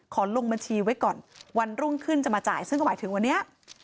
ลงบัญชีไว้ก่อนวันรุ่งขึ้นจะมาจ่ายซึ่งก็หมายถึงวันนี้